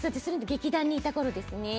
劇団にいたころです。